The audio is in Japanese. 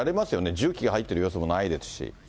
重機が入ってる様子もないですし。